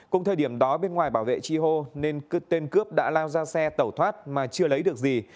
cùng thời điểm đó bên ngoài bảo vệ chi hô nên tên cướp đã lao ra xe tẩu thoát mà chưa lấy được gì